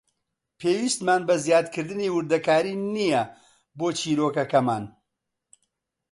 پێویستمان بە زیادکردنی وردەکاری نییە بۆ چیرۆکەکەمان.